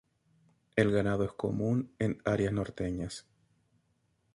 El ganado es común en áreas norteñas.